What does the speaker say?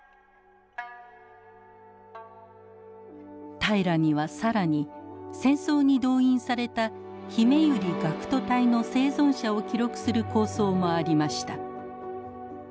平良には更に戦争に動員されたひめゆり学徒隊の生存者を記録する構想もありました。